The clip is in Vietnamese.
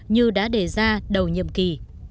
như đã đề ra đầu nhiệm kỳ